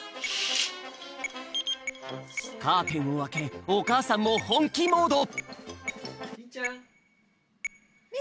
カーテンをあけおかあさんもほんきモード！